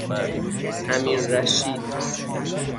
امیررشید